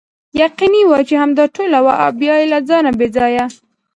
یقیني وه چې همدا ټوله وه او بیا له ځانه بې ځایه.